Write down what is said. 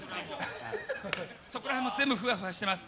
そこら辺も全部ふわふわしてます。